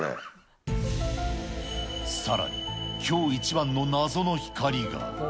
さらに、きょう一番の謎の光が。